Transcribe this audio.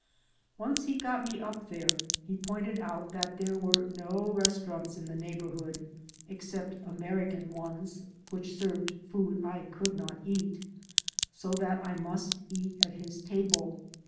Once he got me up there he pointed out that there were no restaurants in the neighborhood (except American ones, which served food I could not eat), so that I must eat at his table.